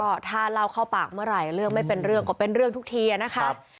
ก็ถ้าเล่าเข้าปากเมื่อไหร่เรื่องไม่เป็นเรื่องก็เป็นเรื่องทุกทีนะครับ